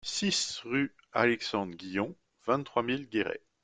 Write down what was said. six rue Alexandre Guillon, vingt-trois mille Guéret